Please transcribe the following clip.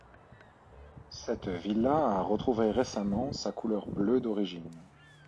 Cette villa a retrouvé récemment sa couleur bleue d'origine.